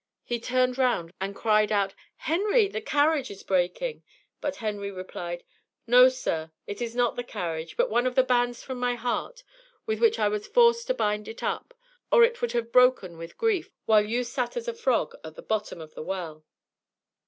He turned round, and cried out, "Henry, the carriage is breaking!" But Henry replied: "No, sir, it is not the carriage, but one of the bands from my heart, with which I was forced to bind it up, or it would have broken with grief, while you sat as a frog at the bottom of the well."